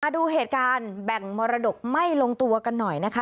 ดูเหตุการณ์แบ่งมรดกไม่ลงตัวกันหน่อยนะคะ